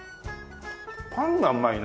パンがうまいな。